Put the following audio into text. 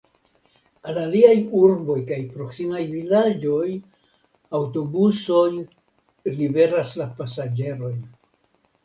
Al aliaj urboj kaj proksimaj vilaĝoj aŭtobusoj liveras la pasaĝerojn.